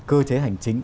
cơ chế hành chính